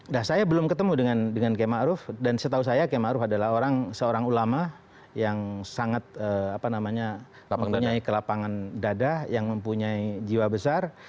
nah saya belum ketemu dengan k ma'ruf dan setahu saya k ma'ruf adalah seorang ulama yang sangat apa namanya mempunyai kelapangan dada yang mempunyai jiwa besar